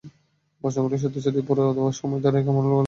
প্রশ্নগুলো সত্যি সত্যি পুরো সময় ধরেই কমনওয়েলথ ক্রাই হিসেবে বিদ্যমান ছিল।